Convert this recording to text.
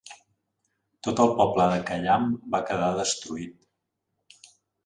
Tot el poble de Khayyam va quedar destruït.